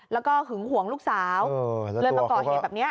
แล้วก็หึงห่วงลูกสาวเลยมาก่อเหตุแบบนี้